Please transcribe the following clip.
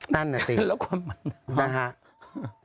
นั่นแน่สิครับนะฮะแล้วก็มัน